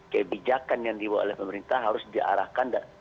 kebijakan yang dibawa oleh pemerintah harus diarahkan